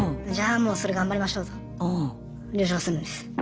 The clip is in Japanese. もうそれ頑張りましょうと了承するんです。